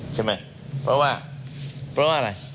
ใช่ไหม